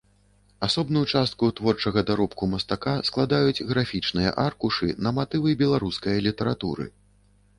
Асобную частку творчага даробку мастака складаюць графічныя аркушы на матывы беларускае літаратуры.